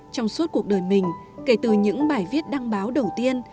trong suốt cuộc đời mình kể từ những bài viết đăng báo đầu tiên